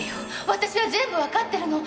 私は全部わかってるの。